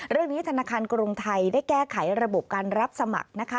ธนาคารกรุงไทยได้แก้ไขระบบการรับสมัครนะคะ